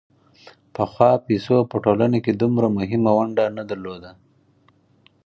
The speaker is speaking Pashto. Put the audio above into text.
پخوا پیسو په ټولنه کې دومره مهمه ونډه نه درلوده